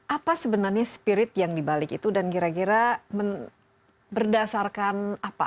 apa sebenarnya spirit yang dibalik itu dan kira kira berdasarkan apa